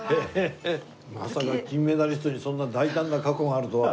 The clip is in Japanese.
まさか金メダリストにそんな大胆な過去があるとは。